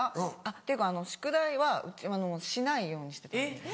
っていうか宿題はうちしないようにしてたんで。